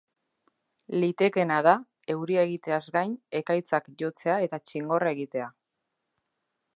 Litekeena da, euria egiteaz gain, ekaitzak jotzea eta txingorra egitea.